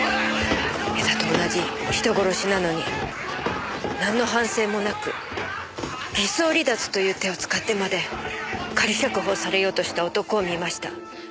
江田と同じ人殺しなのになんの反省もなく偽装離脱という手を使ってまで仮釈放されようとした男を見ました。